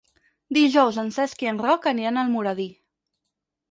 Dijous en Cesc i en Roc aniran a Almoradí.